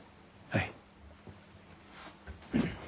はい。